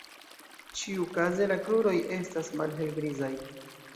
Ĉiukaze la kruroj estas malhelgrizaj.